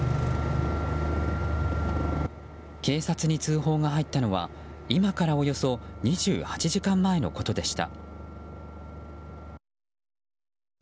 警察に通報が入ったのは今からおよそ２８時間前のことでした。